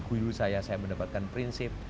guru saya saya mendapatkan prinsip